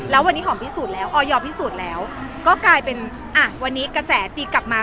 แล้ววันนี้ออยยพิสูจน์แล้วก็กลายเป็นวันนี้กระแสตีกลับมา